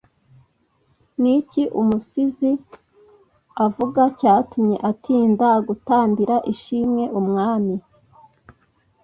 ni iki umusizi avuga cyatumye atinda gutambira ishimwe umwami’